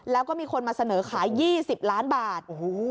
แล้วก็มีคนมาเสนอขาย๒๐ล้านบาท